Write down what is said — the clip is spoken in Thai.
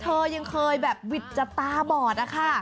เธอยังเคยแบบวิจตาบอด